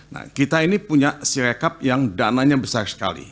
nah kita ini punya sirekap yang dananya besar sekali